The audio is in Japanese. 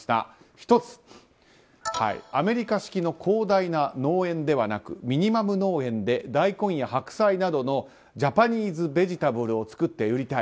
１つ、アメリカ式の広大な農園ではなくミニマム農園で大根や白菜などのジャパニーズベジタブルを作って売りたい。